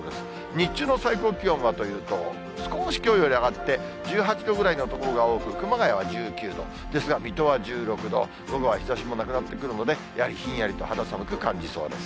日中の最高気温はというと、少しきょうより上がって、１８度ぐらいの所が多く、熊谷は１９度、水戸は１６度、午後は日ざしもなくなってくるので、やはりひんやりと、肌寒く感じそうです。